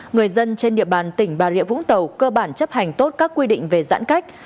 người dân trên địa bàn tỉnh bà rịa vũng tàu cơ bản chấp hành tốt các quy định về giãn cách